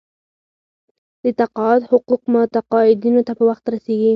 د تقاعد حقوق متقاعدینو ته په وخت رسیږي.